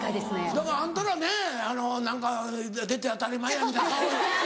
だからあんたらね何か出て当たり前やみたいな顔。